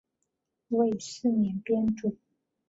为四车编组。